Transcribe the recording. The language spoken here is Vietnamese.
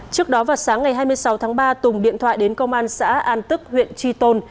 trước đó vào sáng ngày hai mươi sáu tháng ba tùng điện thoại đến công an xã an tức huyện tri tôn